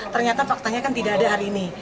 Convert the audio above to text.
ternyata faktanya kan tidak ada hari ini